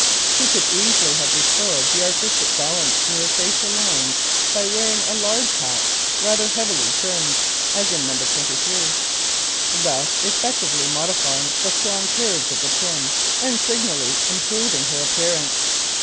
She could easily have restored the artistic balance to her facial lines by wearing a large hat, rather heavily trimmed, as in No. 23, thus effectively modifying the strong curves of the chin and signally improving her appearance.